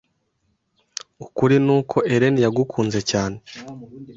Ukuri nuko, Ellen yagukunze cyane.